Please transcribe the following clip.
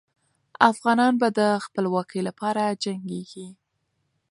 افغانان به د خپلواکۍ لپاره جنګېږي.